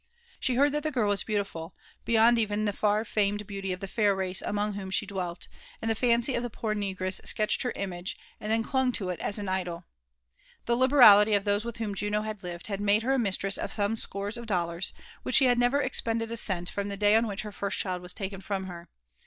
She heard that the girl was beautiful, beyond even the far famed beauty of the fair race among whom she dwelt; and the fancy of the poor negress sketched her image, and then clung to it as to an idol. The liberality of those with whom Juno had lived had made her mistress of some scores of dollars, and she had never expended a cent from the day on which her first child was taken from her.